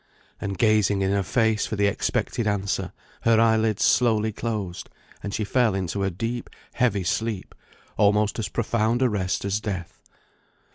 And gazing in her face for the expected answer, her eye lids slowly closed, and she fell into a deep, heavy sleep, almost as profound a rest as death.